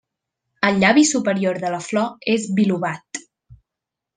El llavi superior de la flor és bilobat.